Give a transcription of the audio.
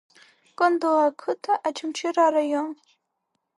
Кындыӷ ақыҭа, Очамчыра араион.